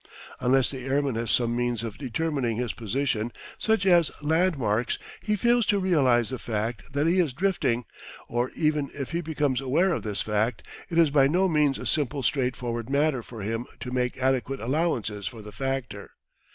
Unless the airman has some means of determining his position, such as landmarks, he fails to realise the fact that he is drifting, or, even if he becomes aware of this fact, it is by no means a simple straightforward matter for him to make adequate allowance for the factor.